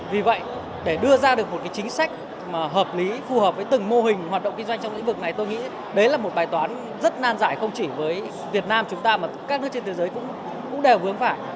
vì vậy để đưa ra được một chính sách mà hợp lý phù hợp với từng mô hình hoạt động kinh doanh trong lĩnh vực này tôi nghĩ đấy là một bài toán rất nan giải không chỉ với việt nam chúng ta mà các nước trên thế giới cũng đều vướng phải